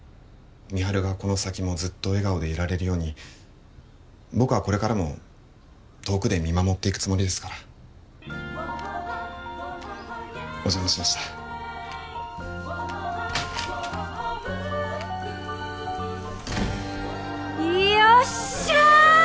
美晴がこの先もずっと笑顔でいられるように僕はこれからも遠くで見守っていくつもりですからお邪魔しましたよっしゃ！